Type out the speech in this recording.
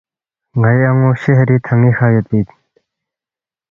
”ن٘ئی ان٘و شہری تھن٘ی کھہ یودپی اِن